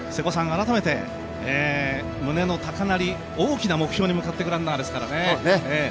改めて、胸の高鳴り、大きな目標に向かってくランナーですからね。